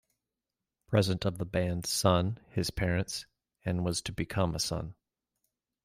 Present of the band's son, his parents, and was to become a son.